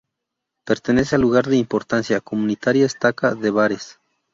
Pertenece al Lugar de Importancia Comunitaria Estaca de Bares.